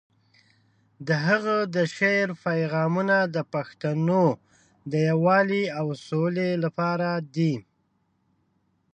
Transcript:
د هغه د شعر پیغامونه د پښتنو د یووالي او سولې لپاره دي.